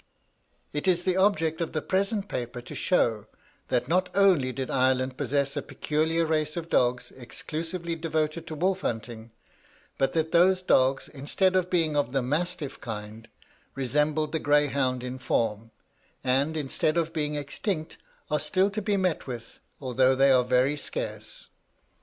It is the object of the present paper to show, that not only did Ireland possess a peculiar race of dogs, exclusively devoted to wolf hunting, but that those dogs, instead of being of the mastiff kind, resembled the greyhound in form; and instead of being extinct are still to be met with, although they are very scarce.